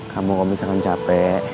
kamu kok bisa kan capek